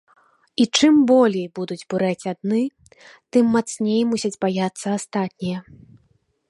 І чым болей будуць бурэць адны, тым мацней мусяць баяцца астатнія.